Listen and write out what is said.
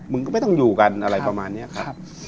มันก็ไม่ต้องอยู่กันอะไรประมาณนี้ครับ